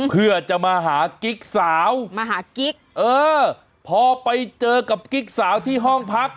เพื่อจะมาหากิ๊กสาวมาหากิ๊กเออพอไปเจอกับกิ๊กสาวที่ห้องพัก